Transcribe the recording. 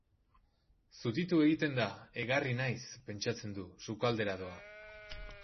Zutitu egiten da, Egarri naiz, pentsatzen du, sukaldera doa.